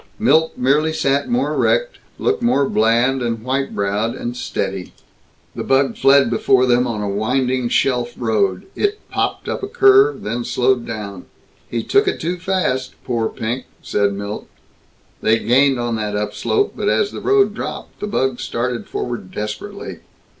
Milt merely sat more erect, looked more bland and white browed and steady. The bug fled before them on a winding shelf road. It popped up a curve, then slowed down. "He took it too fast. Poor Pink!" said Milt. They gained on that upslope, but as the road dropped, the bug started forward desperately.